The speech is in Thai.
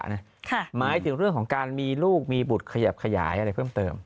หมายถึงเรื่องของการมีลูกมีบุตรขยับขยายอะไรเพิ่มเติม